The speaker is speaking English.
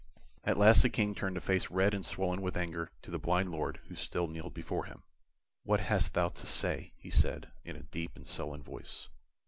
At last the King turned a face red and swollen with anger to the blind Lord, who still kneeled before him. "What hast thou to say?" he said, in a deep and sullen voice.